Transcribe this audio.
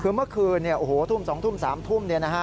คือเมื่อคืน๒๓ทุ่ม